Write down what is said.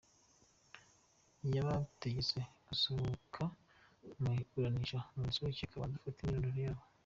Yabategetse gusohoka mu iburanisha umwanditsi w’urukiko akabanza gufata imyirondoro yabo.